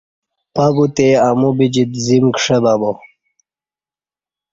پہ بتے امو بجیت زیم کݜہ بہ با